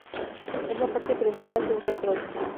Es la parte principal de un control.